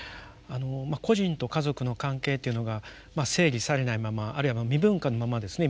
個人と家族の関係っていうのが整理されないままあるいは未分化のままですね